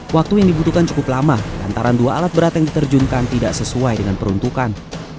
waktu yang dibutuhkan cukup lama antara dua alat berat yang diterjunkan tidak sesuai dengan peruntukan